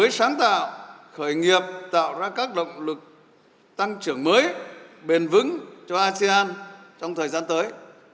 với sáng tạo khởi nghiệp tạo ra các động lực tăng trưởng mới bền vững cho asean trong thời gian tới